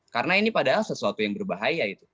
karena ini padahal sesuatu yang berbahaya